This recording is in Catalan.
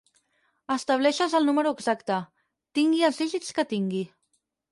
Estableixes el número exacte, tingui els dígits que tingui.